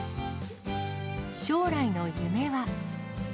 将来の夢は。